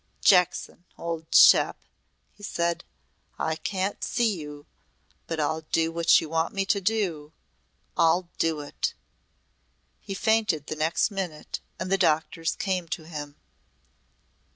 "Jackson, old chap!" he said. "I can't see you but I'll do what you want me to do I'll do it." He fainted the next minute and the doctors came to him.